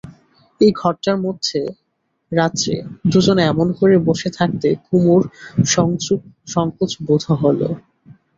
এই ঘরটার মধ্যে রাত্রে দুজনে এমন করে বসে থাকতে কুমুর সংকোচ বোধ হল।